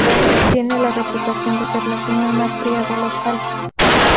Tiene la reputación de ser la cima más fría de los Alpes.